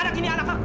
anak ini anak aku